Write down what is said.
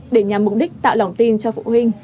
để nhằm mục đích tạo lòng tin cho phụ huynh